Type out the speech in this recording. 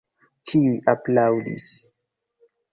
Ĉiuj aplaŭdis.